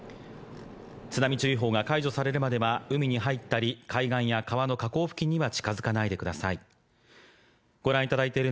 津波注意報が解除されるまでは、海に入ったり、海岸や川の河口付近には近づかないでください。